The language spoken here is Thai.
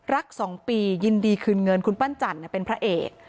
๒ปียินดีคืนเงินคุณปั้นจันทร์เป็นพระเอก